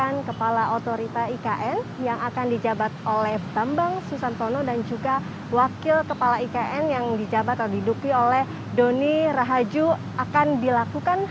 selamat pagi lady dan juga pemirsa